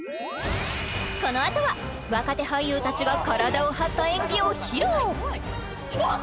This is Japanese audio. このあとは若手俳優たちが体を張った演技を披露うわっ！